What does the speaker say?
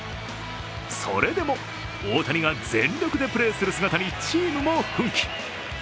それでも大谷が全力でプレーする姿にチームも奮起。